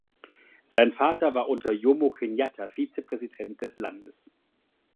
Sein Vater war unter Jomo Kenyatta Vizepräsident des Landes.